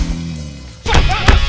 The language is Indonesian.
lo sudah bisa berhenti